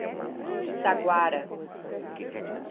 Itaguara